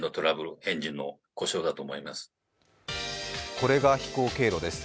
これが飛行経路です。